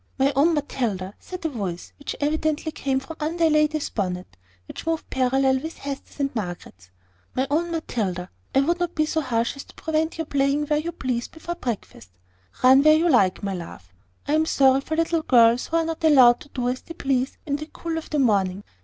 "My own Matilda," said a voice, which evidently came from under a lady's bonnet which moved parallel with Hester's and Margaret's; "My own Matilda, I would not be so harsh as to prevent your playing where you please before breakfast. Run where you like, my love. I am sorry for little girls who are not allowed to do as they please in the cool of the morning.